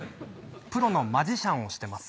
プロのマジシャンをしてます